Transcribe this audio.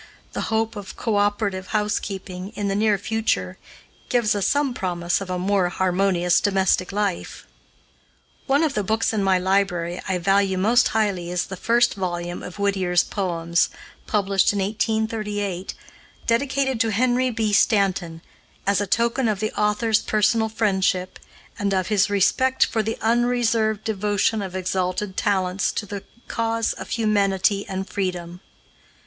The hope of co operative housekeeping, in the near future, gives us some promise of a more harmonious domestic life. One of the books in my library I value most highly is the first volume of Whittier's poems, published in 1838, "Dedicated to Henry B. Stanton, as a token of the author's personal friendship, and of his respect for the unreserved devotion of exalted talents to the cause of humanity and freedom."